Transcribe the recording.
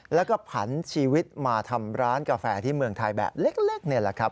แล้วก็ผันชีวิตมาทำร้านกาแฟที่เมืองไทยแบบเล็กนี่แหละครับ